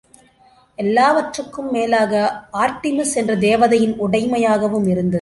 எல்லாவற்றிற்கும் மேலாக ஆர்ட்டிமிஸ் என்ற தேவதையின் உடமையாகவும் இருந்தது.